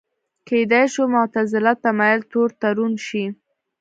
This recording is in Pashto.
کېدای شو معتزله تمایل تور تورن شي